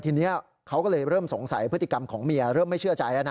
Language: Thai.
ทีนี้เขาก็เลยเริ่มสงสัยพฤติกรรมของเมียเริ่มไม่เชื่อใจแล้วนะ